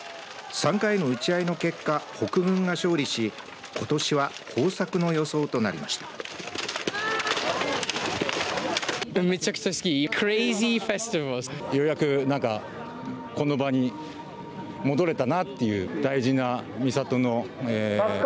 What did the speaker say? ３回の打ち合いの結果北軍が勝利しことしは豊作の予想となりました。